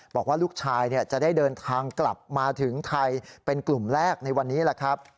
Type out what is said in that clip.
บอกว่าลูกชายจะได้เดินทางกลับมาถึงไทยเป็นกลุ่มแรกในวันนี้แหละครับ